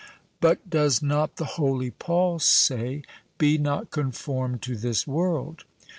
"But does not the holy Paul say, 'Be not conformed to this world'?"